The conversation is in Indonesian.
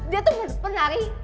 dia tuh penari